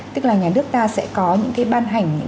tức là nhà nước ta sẽ có những cái ban hành